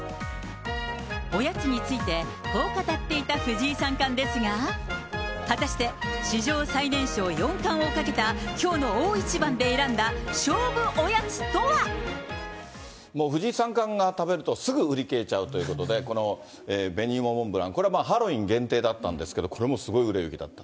おやつについて、こう語っていた藤井三冠ですが、果たして史上最年少四冠をかけたきょうの大一番で選んだ勝負おやもう藤井三冠が食べると、すぐ売り切れちゃうということで、べにいもモンブラン、これ、ハロウィーン限定だったんですけど、これもすごい売れ行きだったと。